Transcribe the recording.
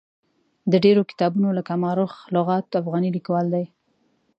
د ډېرو کتابونو لکه ما رخ لغات افغاني لیکوال دی.